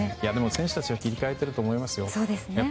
選手たちは切り替えていると思いますよ。